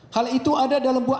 hal itu ada dalam buah